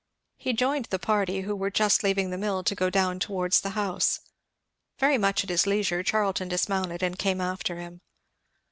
He joined the party, who were just leaving the mill to go down towards the house. Very much at his leisure Charlton dismounted and came after him.